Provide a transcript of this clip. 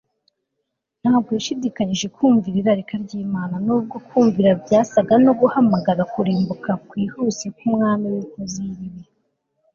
ntabwo yashidikanyije kumvira irarika ryImana nubwo kumvira byasaga no guhamagara kurimbuka kwihuse kumwami winkozi yibibi